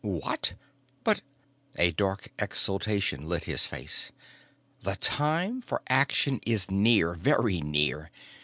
"What? But " A dark exultation lit his face. "The time for action is near very near!